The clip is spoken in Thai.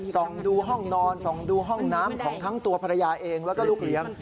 ส่องดูห้องนอนส่องดูห้องน้ำของทั้งตัวภรรยาเองแล้วก็ลูกเลี้ยง